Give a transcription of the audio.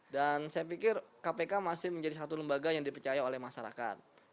saya pikir kpk masih menjadi satu lembaga yang dipercaya oleh masyarakat